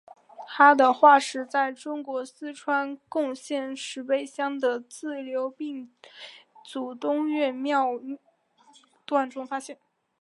它的化石在中国四川省珙县石碑乡的自流井组东岳庙段中发现。